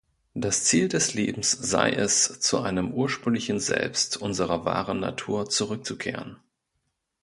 Das Ziel des Lebens sei es, zu einem ursprünglichen Selbst, unserer wahren Natur, zurückzukehren.